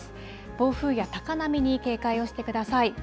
暴風や高波に警戒をしてください。